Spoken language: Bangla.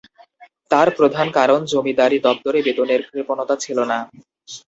তার প্রধান কারণ জমিদারি দপ্তরে বেতনের কৃপণতা ছিল না।